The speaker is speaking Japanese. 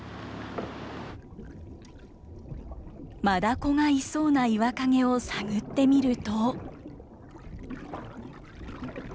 マダコがいそうな岩陰を探ってみると。